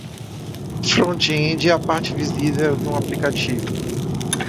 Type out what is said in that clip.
Front-end é a parte visível de um aplicativo.